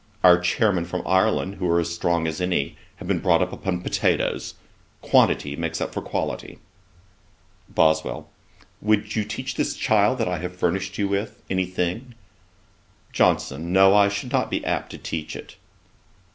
Our Chairmen from Ireland, who are as strong men as any, have been brought up upon potatoes. Quantity makes up for quality.' BOSWELL. 'Would you teach this child that I have furnished you with, any thing?' JOHNSON. 'No, I should not be apt to teach it.'